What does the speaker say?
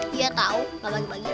dia tau gak bagi bagi